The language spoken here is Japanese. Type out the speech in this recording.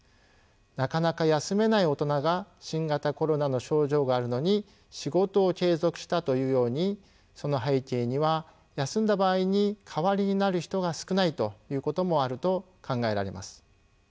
なかなか休めない大人が新型コロナの症状があるのに仕事を継続したというようにその背景には休んだ場合に代わりになる人が少ないということもあると考えられます。